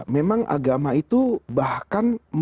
memang agama itu bahkan